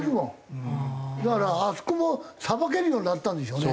だからあそこもさばけるようになったんでしょうね。